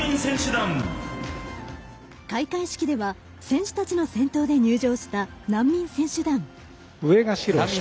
開会式では選手たちの先頭で入場した難民選手団。